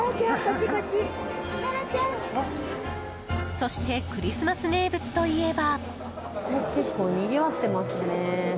そしてクリスマス名物といえば。